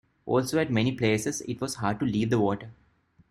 Also, at many places it was hard to leave the water.